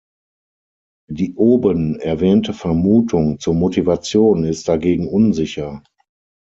Die oben erwähnte Vermutung zur Motivation ist dagegen unsicher.